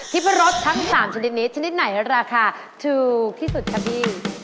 ปะรดทั้ง๓ชนิดนี้ชนิดไหนราคาถูกที่สุดคะพี่